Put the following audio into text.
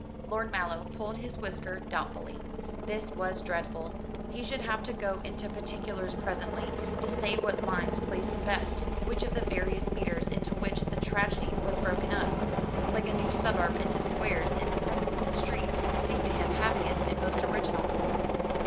Lord Mallow pulled his whisker doubtfully. This was dreadful. He should have to go into particulars presently, to say what lines pleased him best, which of the various meters into which the tragedy was broken up like a new suburb into squares and crescents and streets seemed to him happiest and most original.